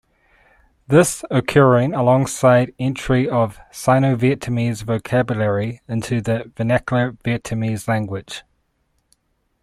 This occurring alongside entry of Sino-Vietnamese vocabulary into the vernacular Vietnamese language.